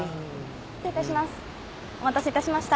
失礼いたします。